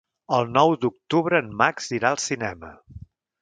El nou d'octubre en Max irà al cinema.